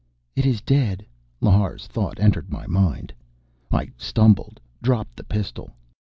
"It is dead," Lhar's thought entered my mind. I stumbled, dropped the pistol.